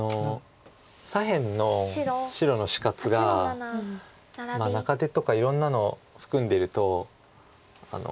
左辺の白の死活が中手とかいろんなのを含んでると。